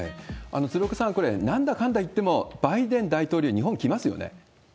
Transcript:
鶴岡さん、これ、なんだかんだ言っても、バイデン大統領、日本来ますよね？